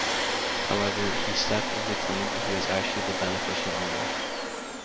However, he stepped in to claim that he actually was the beneficial owner.